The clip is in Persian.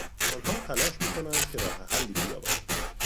آنها تلاش میکنند که راه حلی بیابند.